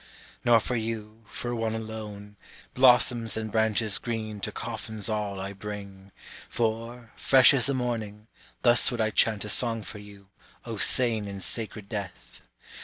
(Nor for you, for one alone, Blossoms and branches green to coffins all I bring; For, fresh as the morning, thus would I chant a song for you, O sane and sacred death.